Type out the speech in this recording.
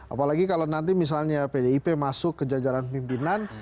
apalagi kalau nanti misalnya pdip masuk ke jajaran pimpinan